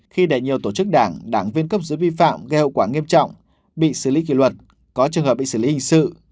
khi để nhiều tổ chức đảng đảng viên cấp dưới vi phạm gây hậu quả nghiêm trọng bị xử lý kỷ luật có trường hợp bị xử lý hình sự